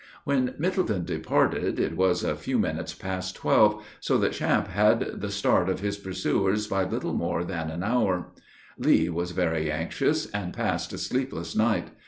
When Middleton departed, it was a few minutes past twelve, so that Champe had the start of his pursuers by little more than an hour. Lee was very anxious, and passed a sleepless night.